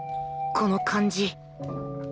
この感じ